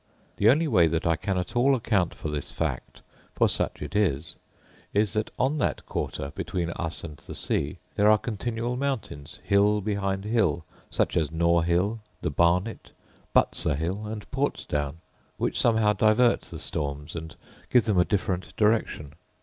The only way that I can at all account for this fact—for such it is — is that, on that quarter, between us and the sea, there are continual mountains, hill behind hill, such as Nore hill, the Barnet, Butser hill, and Ports down, which somehow divert the storms, and give them a different direction.